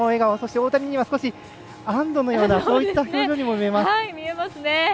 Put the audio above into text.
大谷には少し安どのようなそういった表情にも見えます。